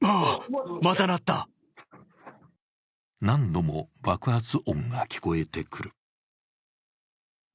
何度も爆発音が聞こえてくる。